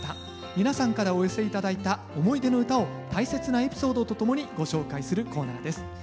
皆さんからお寄せ頂いた思い出の唄を大切なエピソードとともにご紹介するコーナーです。